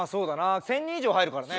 １，０００人以上入るからね。